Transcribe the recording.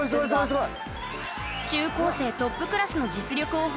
すごい！